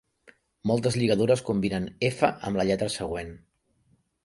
Moltes lligadures combinen f amb la lletra següent.